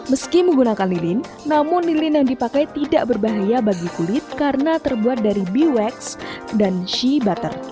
meski menggunakan lilin namun lilin yang dipakai tidak berbahaya bagi kulit karena terbuat dari biwax dan shee butter